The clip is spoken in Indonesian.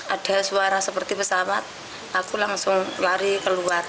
ada suara seperti pesawat aku langsung lari keluar